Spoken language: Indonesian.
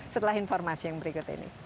setelah informasi yang berikut ini